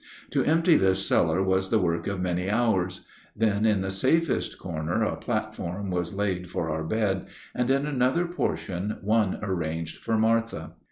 To empty this cellar was the work of many hours. Then in the safest corner a platform was laid for our bed, and in another portion one arranged for Martha.